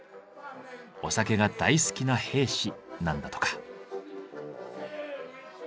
お酒が大好きな兵士なんだとか。